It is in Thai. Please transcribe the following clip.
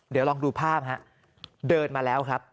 เดี๋ยวลองดูภาพฮะเดินมาแล้วครับ